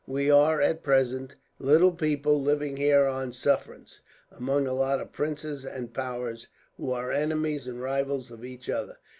We are, at present, little people living here on sufferance, among a lot of princes and powers who are enemies and rivals of each other.